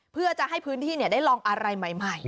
เพื่อจะให้พื้นที่ได้ลองอะไรใหม่